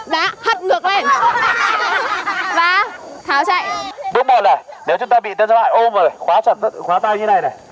đã hất ngược lên và tháo chạy bước một này nếu chúng ta bị tên xâm hại ôm rồi khóa chặt khóa tay như